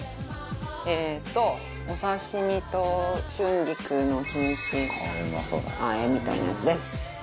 えーっとお刺身と春菊のキムチ和えみたいなやつです。